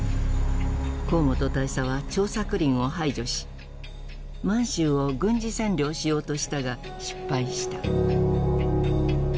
河本大佐は張作霖を排除し満州を軍事占領しようとしたが失敗した。